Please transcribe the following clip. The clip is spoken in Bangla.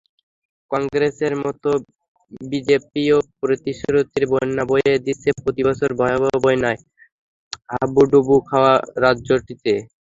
কংগ্রেসের মতো বিজেপিও প্রতিশ্রুতির বন্যা বইয়ে দিচ্ছে প্রতিবছর ভয়াবহ বন্যায় হাবুডুবু খাওয়া রাজ্যটিতে।